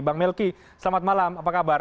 bang melki selamat malam apa kabar